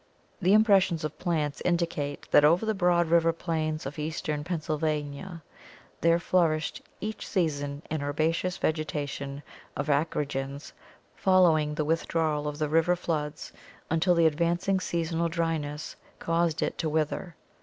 The impressions of plants indicate that over the broad river plains of eastern Pennsylvania there flourished each season an herbaceous vegetation of acrogens following the withdrawal of the river floods, until the advancing seasonal dryness caused it to wither.